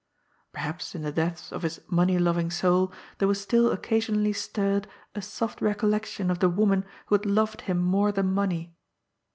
Perhaps in the depths of his money loving soul there still occasionally stirred a soft recollection of the woman who had loved him more than money.